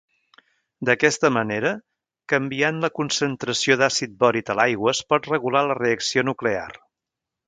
D'aquesta manera, canviant la concentració d'àcid bòric a l'aigua es pot regular la reacció nuclear.